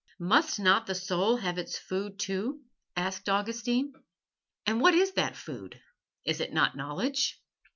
"Must not the soul have its food too?" asked Augustine. "And what is that food? Is it not knowledge?"